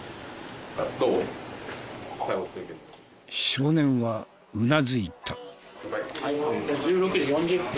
少年はうなずいた。